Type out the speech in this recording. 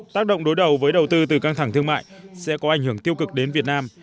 tác động đối đầu với đầu tư từ căng thẳng thương mại sẽ có ảnh hưởng tiêu cực đến việt nam